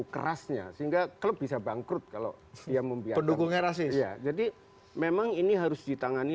kerasnya sehingga klub bisa bangkrut kalau dia membiarkan rasis jadi memang ini harus ditangani